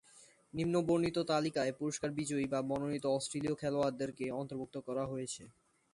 নিম্নবর্ণিত তালিকায় পুরস্কার বিজয়ী বা মনোনীত অস্ট্রেলীয় খেলোয়াড়দেরকে অন্তর্ভুক্ত করা হয়েছে।